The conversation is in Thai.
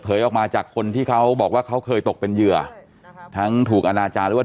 ออกมาจากคนที่เขาบอกว่าเขาเคยตกเป็นเหยื่อทั้งถูกอนาจารย์หรือว่า